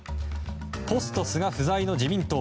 ポスト菅不在の自民党。